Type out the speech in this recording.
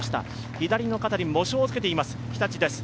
左の方に喪章をつけています、日立です。